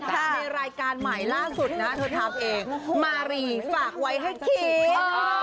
ในรายการใหม่ล่าสุดนะเธอทำเองมารีฝากไว้ให้คิด